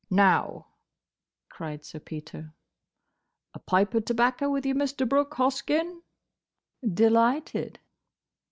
"Now!" cried Sir Peter, "a pipe of tobacco with you, Mr. Brooke Hoskyn?" "Delighted!"